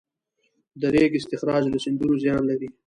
د ریګ استخراج له سیندونو زیان لري؟